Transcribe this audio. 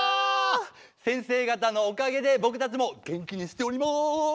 先生方のおかげで僕たちも元気にしております！